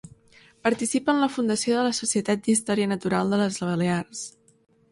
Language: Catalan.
Participa en la fundació de la Societat d’Història Natural de les Balears.